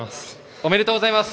おめでとうございます。